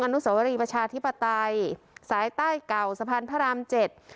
อนุสวรีประชาธิปไตยสายใต้เก่าสะพานพระรามเจ็ด